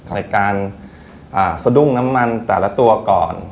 ในการสะดุ้งน้ำมันแต่ละตัวก่อน